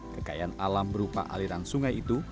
kekayaan alam berupa aliran sungai itu